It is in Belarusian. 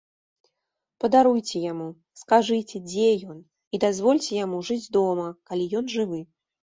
Падаруйце яму, скажыце, дзе ён, і дазвольце яму жыць дома, калі ён жывы.